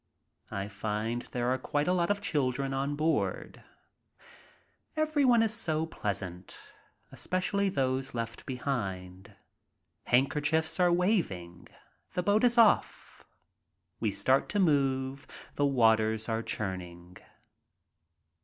I find there are quite a lot of children on board. Everyone is so pleasant, especially those left behind. Handkerchiefs are Waving. The boat is off. We start to move, the waters are churning.